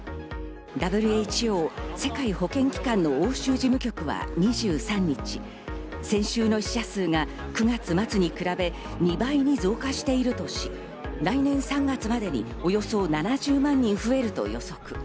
ＷＨＯ＝世界保健機関の欧州事務局は２３日、先週の死者数が９月末に比べ、２倍に増加しているとし、来年３月までにおよそ７０万人増えると予測。